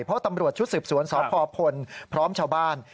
เพราะตำรวจชุดสืบสวนสพพลพร้อมชาวบ้าน